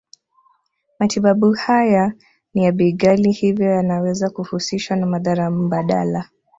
Matibabu haya ni ya bei ghali hivyo yanaweza kuhusishwa na madhara mbadala